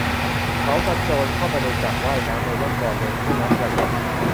เขากระโจนเข้าไปในสระว่ายน้ำในร่มก่อนเลยทำให้น้ำกระเซ็น